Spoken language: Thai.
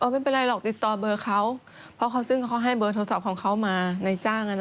ไม่เป็นไรหรอกติดต่อเบอร์เขาเพราะเขาซึ่งเขาให้เบอร์โทรศัพท์ของเขามาในจ้าง